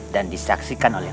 dan disaksikan oleh